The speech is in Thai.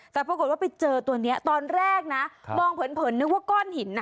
แต่ปรากฏว่าไปเจอตัวนี้ตอนแรกนะมองเผินนึกว่าก้อนหิน